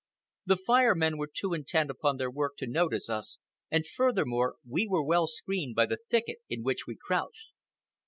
The Fire Men were too intent upon their work to notice us, and, furthermore, we were well screened by the thicket in which we crouched.